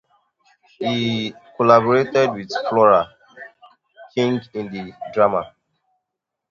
He collaborated with Flora King in the drama.